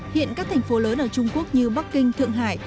hiện các thành phố lớn ở trung quốc như bắc kinh thượng hải